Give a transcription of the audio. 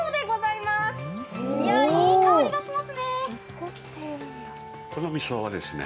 いい香りがしますね。